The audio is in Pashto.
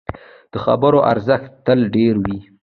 د خبرو ارزښت تل ډېر وي